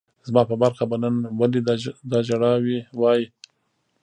زما په برخه به نن ولي دا ژړاوای